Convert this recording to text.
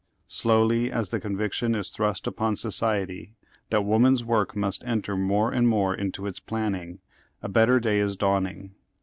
Slowly, as the conviction is thrust upon society that woman's work must enter more and more into its planning, a better day is dawning.